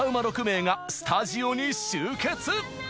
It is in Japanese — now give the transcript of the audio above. ６名がスタジオに集結！